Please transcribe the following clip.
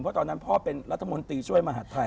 เพราะตอนนั้นพ่อเป็นรัฐมนตรีช่วยมหาดไทย